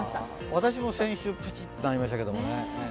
私も先週プチッとなりましたけれどもね。